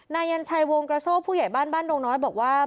นายยันชัยวงกระโชคผู้ใหญ่บ้านบ้านดงน้อยบอกว่า